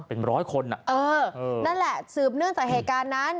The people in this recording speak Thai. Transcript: เป็นร้อยคนอ่ะเออนั่นแหละสืบเนื่องจากเหตุการณ์นั้น